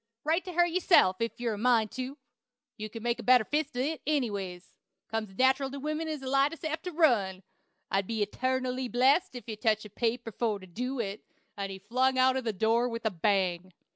Write to her yourself, if you're a mind tu. You can make a better fist at it, anyways. Comes as nateral to women to lie as sap to run. I'll be etarnally blessed ef I touch paper for to do it." And he flung out of the door with a bang.